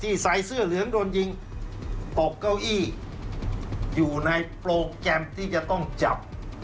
ใส่เสื้อเหลืองโดนยิงตกเก้าอี้อยู่ในโปรแกรมที่จะต้องจับ